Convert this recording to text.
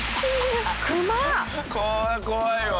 これは怖いわ。